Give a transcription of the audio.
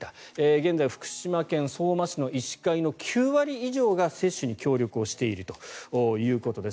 現在、福島県相馬市の医師会の９割以上が接種に協力をしているということです。